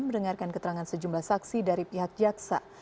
mendengarkan keterangan sejumlah saksi dari pihak jaksa